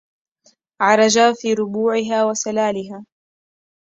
عرجا في ربوعها وسلاها